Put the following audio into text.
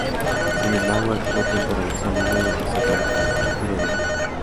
Sin embargo, al poco tiempo regresó a Lima y empezó a trabajar en periodismo.